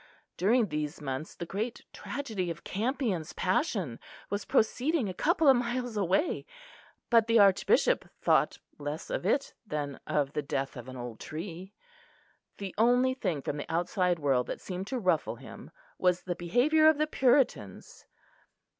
During these months the great tragedy of Campion's passion was proceeding a couple of miles away; but the Archbishop thought less of it than of the death of an old tree. The only thing from the outside world that seemed to ruffle him was the behaviour of the Puritans.